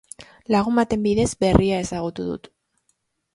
Lagun baten bidez berria ezagutu dut.